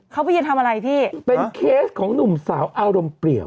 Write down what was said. ครับเพื่อนทำอะไรพี่เป็นเคสของหนุ่มสาวอ้าวร่มเปลี่ยว